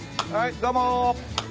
どうも。